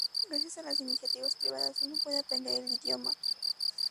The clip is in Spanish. Gracias a las iniciativas privadas uno puede aprender el idioma.